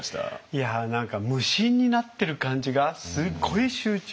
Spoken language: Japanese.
いや何か無心になってる感じがすごい集中。